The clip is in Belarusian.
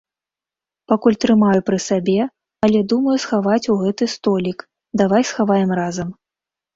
Пакуль трымаю пры сабе, але думаю схаваць у гэты столік, давай схаваем разам.